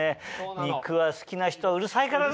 肉は好きな人うるさいからね。